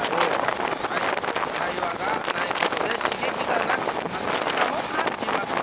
会話がないことで刺激がなく寂しさも感じます。